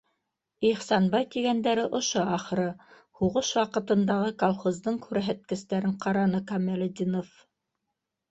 Ихсанбай тигәндәре ошо ахыры, һуғыш ваҡытындағы колхоздың күрһәткестәрен ҡараны Камалетдинов.